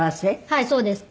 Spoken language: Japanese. はいそうです。